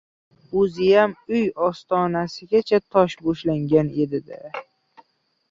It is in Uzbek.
O‘ziyam, uyi ostonasigacha tosh to‘shalgan edi-da.